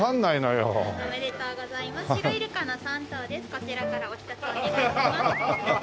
こちらからお一つお願いします。